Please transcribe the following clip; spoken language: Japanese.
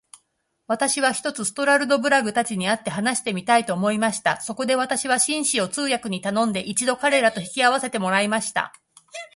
私は、ひとつストラルドブラグたちに会って話してみたいと思いました。そこで私は、紳士を通訳に頼んで、一度彼等と引き合せてもらいました。